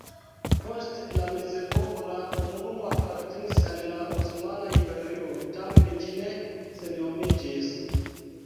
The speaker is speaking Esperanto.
Post la mezepoko la komunumo apartenis al la Osmana Imperio, tamen ĝi ne senhomiĝis.